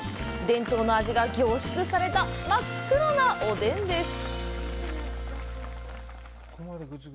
伝統の味が凝縮された真っ黒なおでんです。